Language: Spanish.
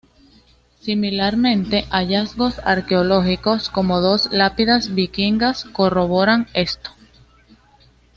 Similarmente, hallazgos arqueológicos, como dos lápidas vikingas, corroboran esto.